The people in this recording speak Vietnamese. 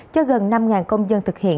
cho gần năm công dân thực hiện